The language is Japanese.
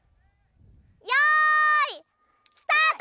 よいスタート！